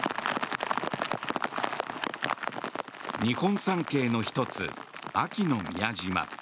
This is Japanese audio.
日本三景の１つ、安芸の宮島。